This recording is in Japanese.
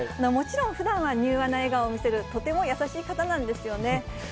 もちろん、ふだんは柔和な笑顔を見せる、とても優しい方なんですよね。